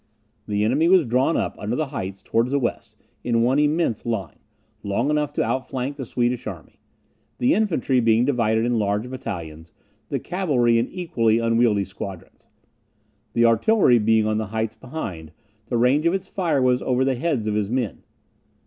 The enemy was drawn up under the heights towards the west, in one immense line, long enough to outflank the Swedish army, the infantry being divided in large battalions, the cavalry in equally unwieldy squadrons. The artillery being on the heights behind, the range of its fire was over the heads of his men.